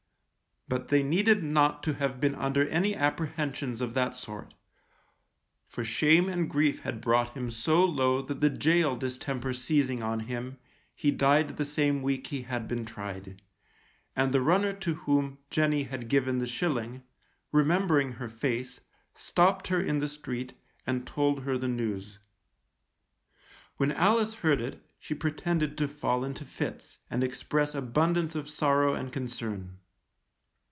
But they needed not to have been under any apprehensions of that sort, for shame and grief had brought him so low that the gaol distemper seizing on him, he died the same week he had been tried, and the runner to whom Jenny had given the shilling, remembering her face, stopped her in the street, and told her the news. When Alice heard it, she pretended to fall into fits, and express abundance of sorrow and concern.